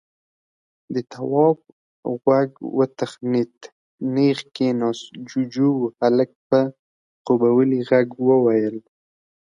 د تواب غوږ وتخنېد، نېغ کېناست. جُوجُو و. هلک په خوبولي غږ وويل: